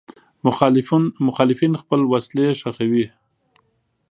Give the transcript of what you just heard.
مخالفین خپل وسلې ښخوي.